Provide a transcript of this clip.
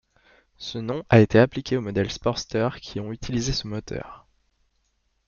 Ce nom a été appliqué aux modèles Sportster qui ont utilisé ce moteur.